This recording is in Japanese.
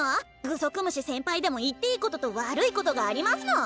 グソクムシ先輩でも言っていいことと悪いことがありますの！